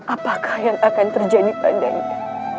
apakah yang akan terjadi padanya